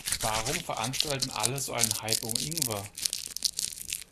Warum veranstalten alle so einen Hype um Ingwer?